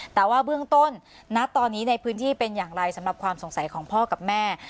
แต่ว่าเบื้องต้นณตอนนี้ในพื้นที่เป็นอย่างไรสำหรับความสงสัยของพ่อกับแม่